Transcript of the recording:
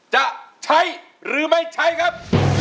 จะใช้หรือไม่ใช้ครับ